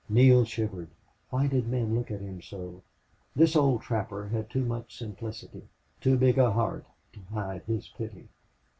Neale shivered. Why did men look at him so? This old trapper had too much simplicity, too big a heart, to hide his pity.